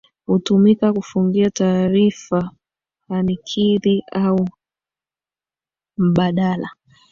Hutumika kufungia taarifa hanikizi au mbadala